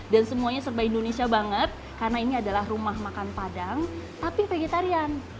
dan semuanya serba indonesia banget karena ini adalah rumah makan padang tapi vegetarian